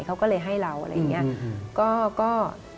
เขาก็เลยให้เราอะไรอย่างนี้